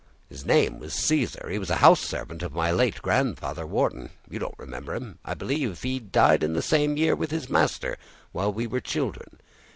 "His name was Caesar; he was a house servant of my late grandfather Wharton. You don't remember him, I believe; he died the same year with his master, while we were children.